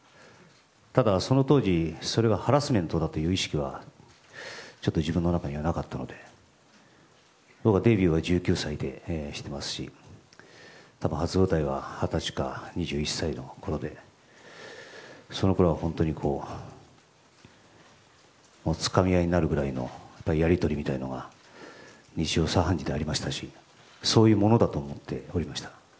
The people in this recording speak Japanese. ただ、その当時それがハラスメントだという意識がちょっと自分の中にはなかったので僕はデビューが１９歳でしてますし初舞台は二十歳か２１歳のころでそのころは本当につかみ合いになるくらいのやり取りみたいなのが日常茶飯事でありましたしそういうものだと思っておりました。